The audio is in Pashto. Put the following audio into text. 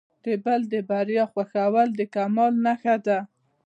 د بل د بریا خوښول د کمال نښه ده.